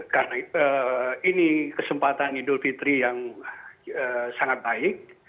karena ini kesempatan idul fitri yang sangat baik